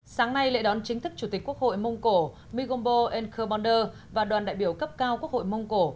sáng nay lễ đón chính thức chủ tịch quốc hội mông cổ migombo enkerboner và đoàn đại biểu cấp cao quốc hội mông cổ